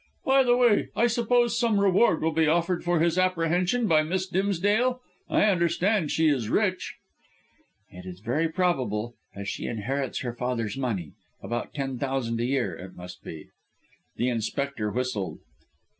"By the way, I suppose some reward will be offered for his apprehension by Miss Dimsdale? I understand she is rich." "It's very probable, as she inherits her father's money about ten thousand a year, it must be." The Inspector whistled.